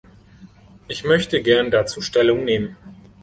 Ich möchte gerne dazu Stellung nehmen.